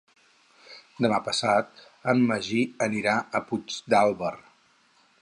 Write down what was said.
Demà passat en Magí anirà a Puigdàlber.